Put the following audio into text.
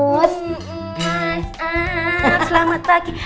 mas al selamat pagi